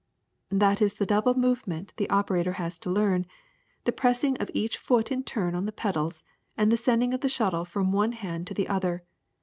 ''^' That is the double movement the operator has to learn — the pressing of each foot in turn on the pedals and the sending of the shuttle from one hand to the other.